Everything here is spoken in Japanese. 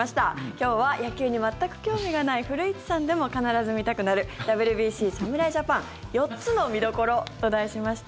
今日は、野球に全く興味がない古市さんでも必ず見たくなるＷＢＣ侍ジャパン４つの見どころと題しまして。